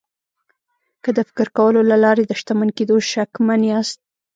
که د فکر کولو له لارې د شتمن کېدو شکمن یاست